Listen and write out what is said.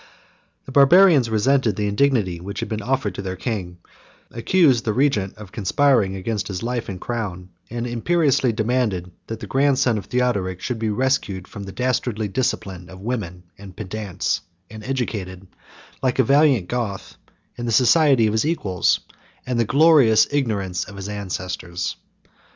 The Barbarians resented the indignity which had been offered to their king; accused the regent of conspiring against his life and crown; and imperiously demanded, that the grandson of Theodoric should be rescued from the dastardly discipline of women and pedants, and educated, like a valiant Goth, in the society of his equals and the glorious ignorance of his ancestors.